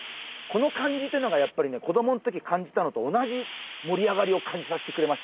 この感じっていうのがやっぱりね子供のときに感じたのと同じ盛り上がりを感じさせてくれましたね。